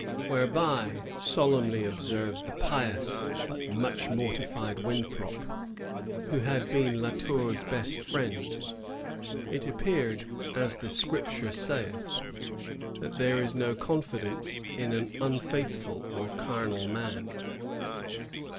"^ Whereby, " solemnly observes the pious but much mortified Winthrop, who had been La Tour's best friend, ^ it appeared (as the Scripture saith) that there is no confidence in an un&ithful or carnal man."